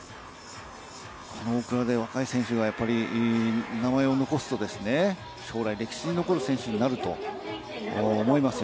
この大倉で若い選手が名前を残すと、将来、歴史に残る選手になると思いますよ。